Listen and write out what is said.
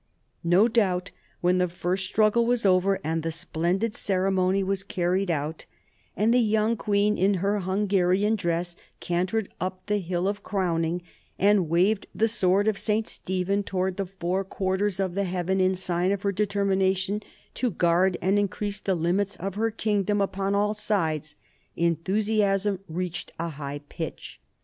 No doubt when the first struggle was over, and the splendid ceremony was carried out, and the young queen in her Hungarian dress cantered up the "Hill of Crowning," and waved the sword of St. Stephen to wards the four quarters of the heavens in sign of her determination to guard and increase the limits of her kingdom upon all sides, enthusiasm reached a high pitch.